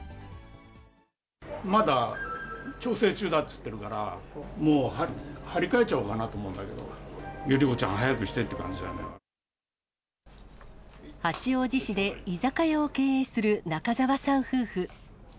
まだ調整中だって言ってるから、もう貼り替えちゃおうかなと思うんだけど、百合子ちゃん、早くし八王子市で居酒屋を経営する、中沢さん夫婦。